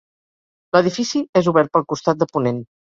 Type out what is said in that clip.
L'edifici és obert pel costat de ponent.